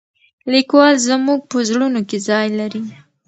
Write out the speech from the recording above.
لیکوال زموږ په زړونو کې ځای لري.